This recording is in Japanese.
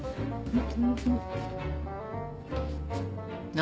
何？